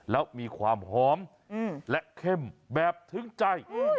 แล้วมีความหอมและเข้มแบบถึงใจ